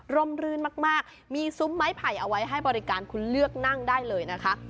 รื่นมากมีซุ้มไม้ไผ่เอาไว้ให้บริการคุณเลือกนั่งได้เลยนะคะ